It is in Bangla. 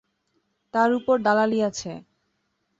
তার উপর দালালি আছে।